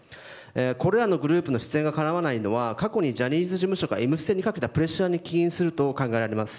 これらが出演できないのは過去にジャニーズ事務所が「Ｍステ」にかけたプレッシャーが起因すると思います。